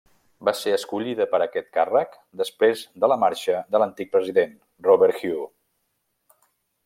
Va ser escollida per aquest càrrec després de la marxa de l'antic president Robert Hue.